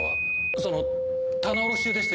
その棚卸し中でして。